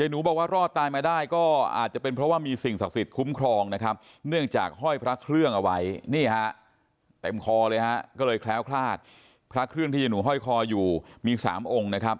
ไอนุบอกว่ารอดตายมาได้ก็อาจจะเป็นเพราะว่ามีสิ่งสักสิทธิ์คุ้มครอง